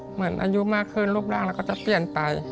เหมือนอายุมากขึ้นรูปร่างเราก็จะเปลี่ยนไป